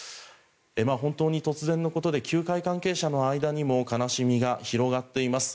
本当に突然のことで球界関係者の間にも悲しみが広がっています。